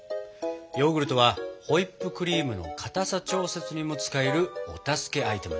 ヨーグルトはホイップクリームの固さ調節にも使えるお助けアイテムなんだ。